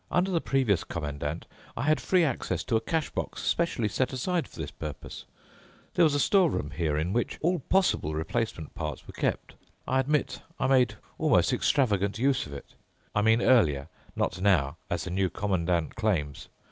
Under the previous Commandant, I had free access to a cash box specially set aside for this purpose. There was a store room here in which all possible replacement parts were kept. I admit I made almost extravagant use of it. I mean earlier, not now, as the New Commandant claims.